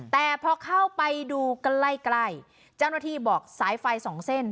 แต่พอเข้าไปดูใกล้ใกล้เจ้าหน้าที่บอกสายไฟสองเส้น